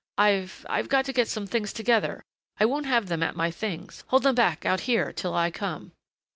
I I've got to get some things together I won't have them at my things hold them back out here till I come."